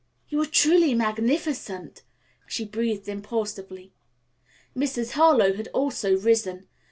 "You are truly magnificent!" she breathed impulsively. Mrs. Harlowe had also risen.